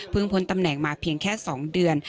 พ้นตำแหน่งมาเพียงแค่๒เดือน